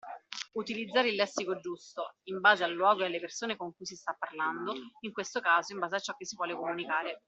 Utilizzare il lessico giusto, in base al luogo e alle persone con cui si sta parlando, in questo caso in base a ciò che si vuole comunicare.